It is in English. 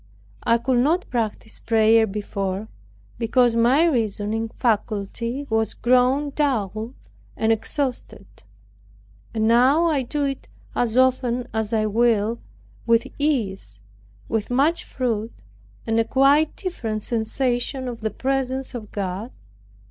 I could not practice prayer before, because my reasoning faculty was grown dull and exhausted; but now I do it as often as I will, with ease, with much fruit, and a quite different sensation of the presence of God."